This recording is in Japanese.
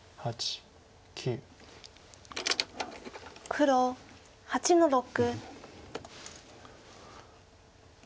黒８の六。